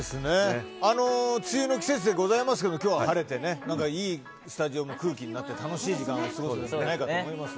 梅雨の季節でございますが今日は晴れていいスタジオの空気になって楽しい時間を過ごせたんじゃないかと思います。